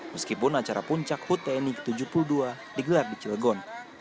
meskipun acara puncak hut tni ke tujuh puluh dua digelar di cilegon